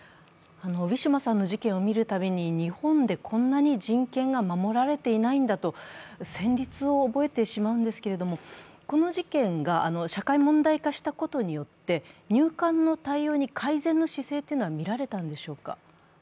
ウィシュマさんの事件を見る度に、日本でこんなに人権が守られていないんだと戦りつを覚えてしまうんですけれども、この事件が社会問題化したことによって入管の対応に改善の姿勢は見られたんでしょうか。